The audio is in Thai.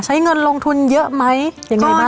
ใช้เงินลงทุนเยอะไหมยังไงบ้าง